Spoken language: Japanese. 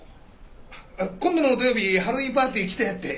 今度の土曜日ハロウィーン・パーティー来てって。